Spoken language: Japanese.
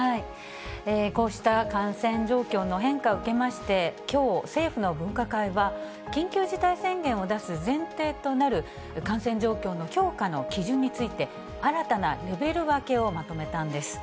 こうした感染状況の変化を受けまして、きょう、政府の分科会は緊急事態宣言を出す前提となる、感染状況の強化の基準について、新たなレベル分けをまとめたんです。